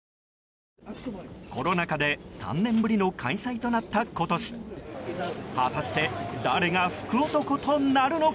コロナ禍で３年ぶりの開催となった今年果たして、誰が福男となるのか？